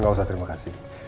gak usah terima kasih